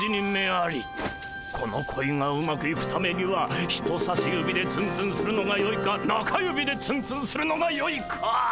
この恋がうまくいくためには人さし指でツンツンするのがよいか中指でツンツンするのがよいか。